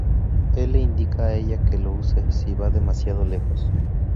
Él le indica a ella que lo use si va demasiado lejos.